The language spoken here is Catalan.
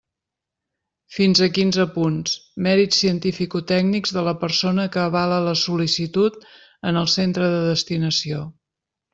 Fins a quinze punts: mèrits cientificotècnics de la persona que avala la sol·licitud en el centre de destinació.